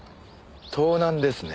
盗難ですね。